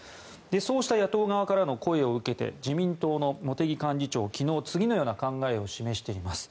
そうした野党側からの声を受けて自民党の茂木幹事長昨日、次のような考えを示しています。